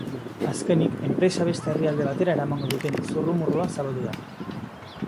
Azkenik, enpresa beste herrialde batera eramango duten zurrumurrua zabaldu da.